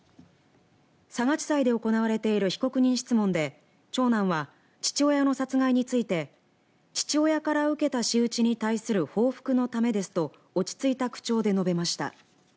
佐賀地裁で行われている被告人質問で長男は父親の殺害について父親から受けた仕打ちに対する報復のためですと落ち着いた口調で述べました。